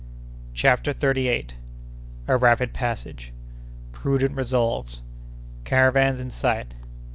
CHAPTER THIRTY EIGHTH. A Rapid Passage.—Prudent Resolves.—Caravans in Sight.